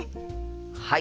はい。